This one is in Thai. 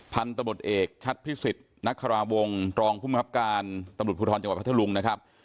พันตตเกชัดพิษศิษฐ์นักคาราวงศ์ตรผู้มีความความคิดของความคิดของตำรุทธรจบพทธรุงนะครับ